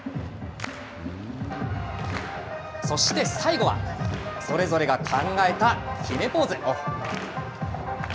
そして最後は、それぞれが考えた決めポーズ。